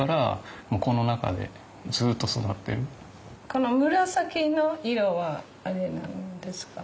この紫の色はあれ何ですか？